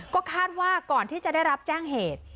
ก็คาดว่าก่อนที่จะได้รับแจ้งเหตุ